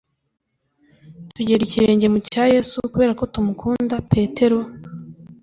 Tugera ikirenge mu cya Yesu kubera ko tumukunda Petero